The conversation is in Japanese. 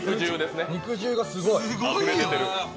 肉汁がすごい。